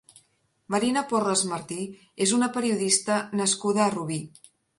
Marina Porras Martí és una periodista nascuda a Rubí.